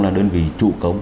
là đơn vị trụ cống